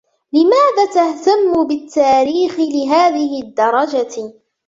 لماذا تهتم بالتاريخ لهذه الدرجة؟